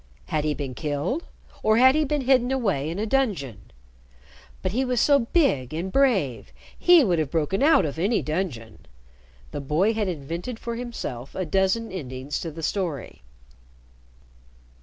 Had he been killed, or had he been hidden away in a dungeon? But he was so big and brave, he would have broken out of any dungeon. The boy had invented for himself a dozen endings to the story.